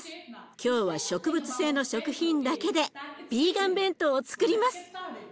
今日は植物性の食品だけでビーガン弁当をつくります。